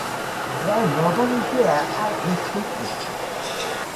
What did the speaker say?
‘There’s nobody here!’ I insisted.